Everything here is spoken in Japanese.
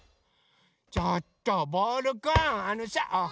ちょっとボールくんあのさあっ。